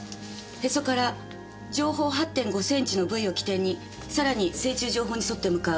へそから上方８．５センチの部位を起点にさらに正中上方に沿って向かう。